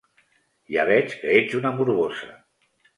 Ja veig que ets una morbosa.